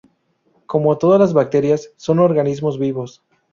Como todas las bacterias, son organismos vivos.